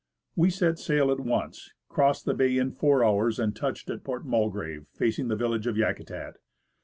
We set sail at once, crossed the bay in four hours, and touched at Port Mulgrave, facing the village of Yakutat.